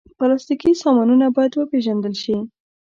پلاستيکي سامانونه باید وپېژندل شي.